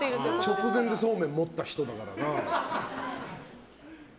直前でそうめん持った人だから。